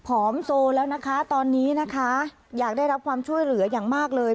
ผอมโซแล้วนะคะตอนนี้นะคะอยากได้รับความช่วยเหลืออย่างมากเลย